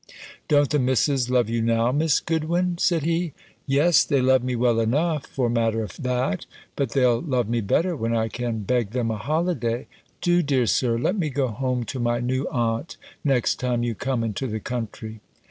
"Don't the Misses love you now, Miss Goodwin?" said he. "Yes, they love me well enough, for matter of that; but they'll love me better, when I can beg them a holiday. Do, dear Sir, let me go home to my new aunt, next time you come into the country."